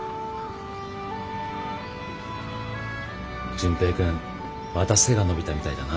純平君また背が伸びたみたいだな。